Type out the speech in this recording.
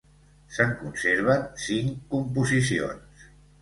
Se'n conserven cinc composicions.